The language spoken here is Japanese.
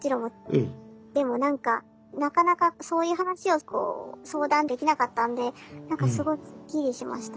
でも何かなかなかそういう話をこう相談できなかったんで何かすごいすっきりしました。